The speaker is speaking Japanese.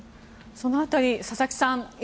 その辺り、佐々木さん